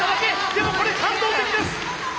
でもこれ感動的です！